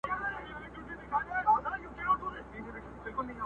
یو نن نه دی زه به څو ځلي راځمه!!